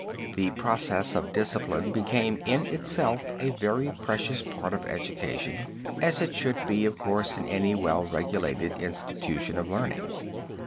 The process of discipline became in itself a very precious part of education, as it should be of course in any well regulated institution of learning.